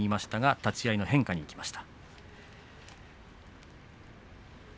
立ち合い後、変化にいきました。